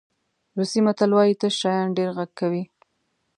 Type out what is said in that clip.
روسي متل وایي تش شیان ډېر غږ کوي.